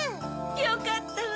よかったわ！